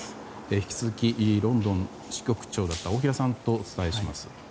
引き続き、ロンドン支局長だった大平さんとお伝えします。